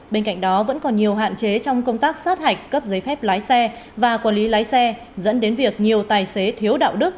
bên cạnh đó vẫn còn nhiều hạn chế trong công tác sát hạch cấp giấy phép lái xe và quản lý lái xe dẫn đến việc nhiều tài xế thiếu đạo đức